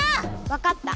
わかった。